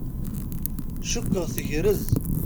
Cukkeɣ tgerrez.